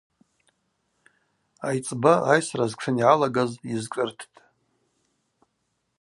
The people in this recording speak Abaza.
Айцӏба айсра зтшын йгӏалагаз йызшӏырттӏ.